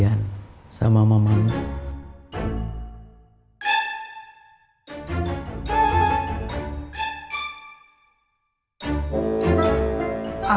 ika pokoknya bener sehat